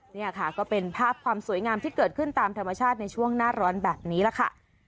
นี่ค่ะก็เป็นภาพความสวยงามที่เกิดขึ้นตามธรรมชาติในช่วงหน้าร้อนแบบนี้แหละค่ะ